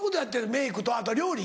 メークとあと料理？